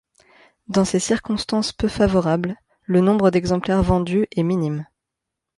Dans ces circonstances peu favorables, le nombre d'exemplaires vendus est minime.